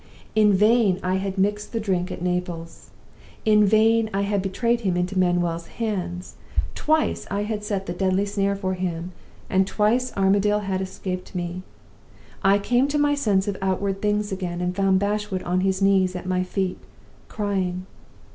In vain I had mixed the drink at Naples in vain I had betrayed him into Manuel's hands. Twice I had set the deadly snare for him, and twice Armadale had escaped me! I came to my sense of outward things again, and found Bashwood on his knees at my feet, crying.